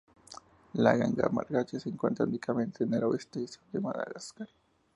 La ganga malgache se encuentra únicamente en el oeste y sur de Madagascar.